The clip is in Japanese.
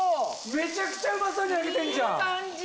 めちゃくちゃうまそうに焼けてんじゃん！